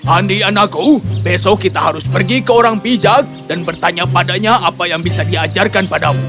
andi anakku besok kita harus pergi ke orang bijak dan bertanya padanya apa yang bisa diajarkan padamu